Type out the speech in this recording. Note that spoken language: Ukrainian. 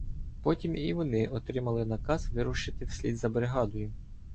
Потім і вони отримали наказ вирушити вслід за бригадою.